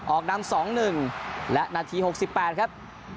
ออกนำ๒๑และนาที๖๘ครับ